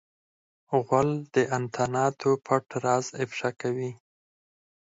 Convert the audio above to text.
غول د انتاناتو پټ راز افشا کوي.